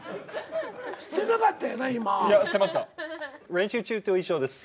練習中と一緒です。